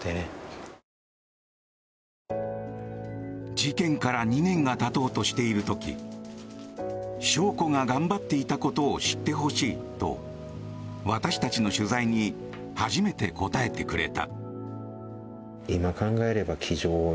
事件から２年がたとうとしている時晶子が頑張っていたことを知ってほしいと私たちの取材に初めて答えてくれた。